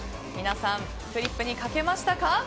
皆さん、フリップに書けましたか。